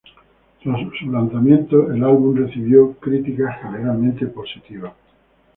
Tras su lanzamiento, el álbum recibió críticas generalmente positivas.